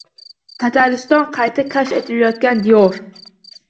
Tatariston – qayta kashf etilayotgan diyor